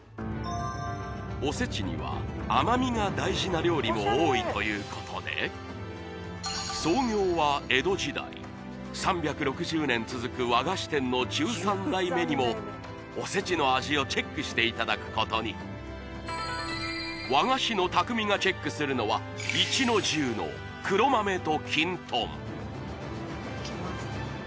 おせちには甘味が大事な料理も多いということで創業は江戸時代３６０年続く和菓子店の１３代目にもおせちの味をチェックしていただくことに和菓子の匠がチェックするのは壱之重の黒豆ときんとんいただきます